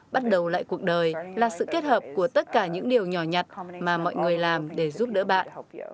bắt đầu lại cuộc đời là sự kết hợp của tất cả những điều nhỏ nhặt mà mọi người làm để giúp đỡ bạn